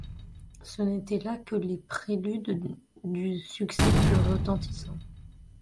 Ce n'étaient là que les préludes de succès plus retentissants.